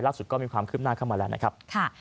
ลักษณ์ก็มีความขึ้นหน้าเข้ามาแล้วนะครับ